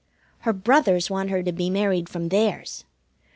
Her brothers want her to be married from theirs.